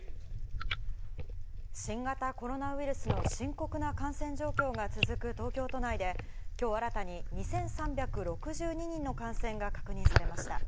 新型コロナウイルスの深刻な感染状況が続く東京都内で、きょう新たに２３６２人の感染が確認されました。